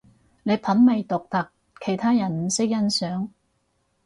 你品味獨特，其他人唔識欣賞